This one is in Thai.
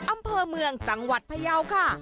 อำเภอเมืองจังหวัดพยาวค่ะ